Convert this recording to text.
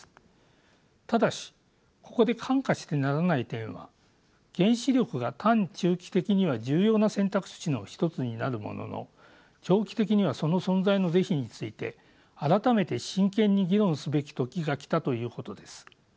ただしここで看過してならない点は原子力が短・中期的には重要な選択肢の一つになるものの長期的にはその存在の是非について改めて真剣に議論すべき時が来たということです。